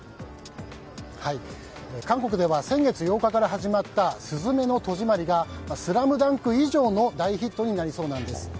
韓国では先月８日から始まった「すずめの戸締まり」が「ＳＬＡＭＤＵＮＫ」以上の大ヒットになりそうなんです。